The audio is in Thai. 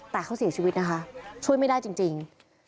แต่เขาเสียชีวิตนะคะช่วยไม่ได้จริง